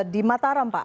di mataram pak